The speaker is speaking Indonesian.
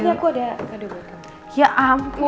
eh enggak aku ada kade buat kamu